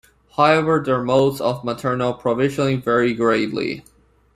However, their modes of maternal provisioning vary greatly.